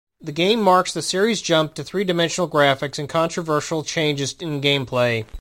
The game marks the series' jump to three-dimensional graphics and controversial changes in gameplay.